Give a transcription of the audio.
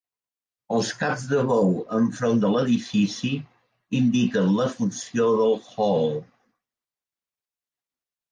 Els caps de bou enfront de l'edifici indiquen la funció del hall.